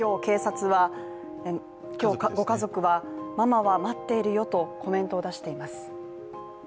今日ご家族は、ママは待っているよとコメントを出しています。